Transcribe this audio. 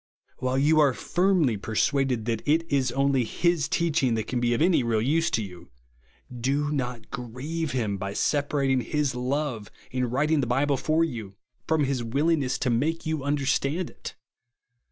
While you are firmly persuaded that it is only his teaching that can be of any real use to you, do not grieve him by sepa ratino' his love, in writing^ the Bible for you, from his willingness to make you un derstand it.